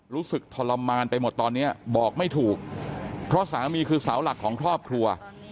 รู้สึกทรมานไปหมดตอนนี้บอกไม่ถูกเพราะสามีคือเสาหลักของครอบครัว